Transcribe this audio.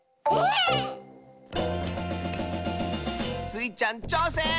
⁉スイちゃんちょうせん！